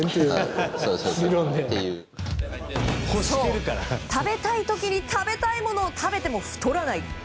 そう、食べたい時に食べたいものを食べても太らない！